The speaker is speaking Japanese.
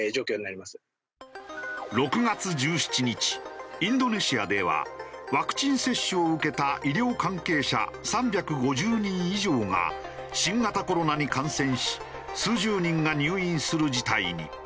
６月１７日インドネシアではワクチン接種を受けた医療関係者３５０人以上が新型コロナに感染し数十人が入院する事態に。